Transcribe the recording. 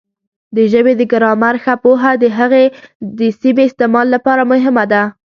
د ژبې د ګرامر ښه پوهه د هغې د سمې استعمال لپاره مهمه ده.